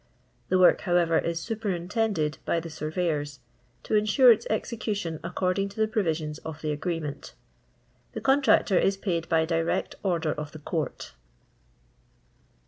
The work, however, is superintended by the sur Te3ron, to entnre its exMntion aeeocding to th« pmvif ions of the ogracnent. Tha coatractot if paid by direct order of the Govt.